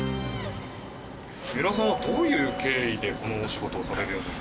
三浦さんはどういう経緯でこのお仕事をされるように？